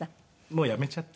もうやめちゃった。